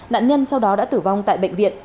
nạn nhân sau đó đã tử vong tại bệnh viện